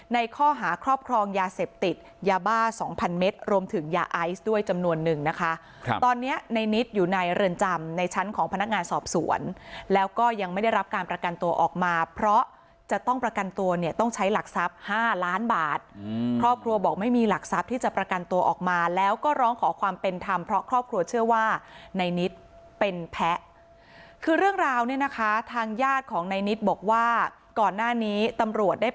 ในข้อหาครอบครองยาเสพติดยาบ้า๒๐๐๐เมตรรวมถึงยาไอซ์ด้วยจำนวนนึงนะคะตอนนี้ในนิดอยู่ในเรือนจำในชั้นของพนักงานสอบสวนแล้วก็ยังไม่ได้รับการประกันตัวออกมาเพราะจะต้องประกันตัวเนี่ยต้องใช้หลักทรัพย์๕ล้านบาทครอบครัวบอกไม่มีหลักทรัพย์ที่จะประกันตัวออกมาแล้วก็ร้องขอความเป็นธรรมเพราะคร